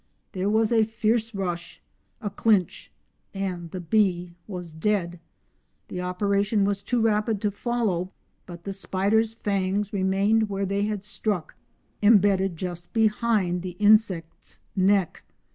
There was a fierce rush, a clinch, and the bee was dead; the operation was too rapid to follow, but the spider's fangs remained where they had struck—embedded just behind the insect's neck.